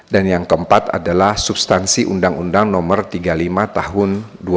dan yang keempat adalah substansi undang undang nomor tiga puluh lima tahun dua ribu sembilan